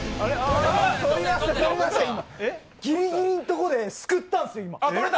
ギリギリのところですくったんですよ、今。